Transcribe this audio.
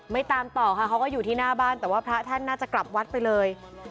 ตามต่อค่ะเขาก็อยู่ที่หน้าบ้านแต่ว่าพระท่านน่าจะกลับวัดไปเลย